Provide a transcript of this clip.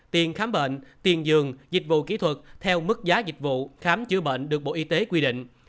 tiền khám bệnh tiền dường dịch vụ kỹ thuật theo mức giá dịch vụ khám chữa bệnh được bộ y tế quy định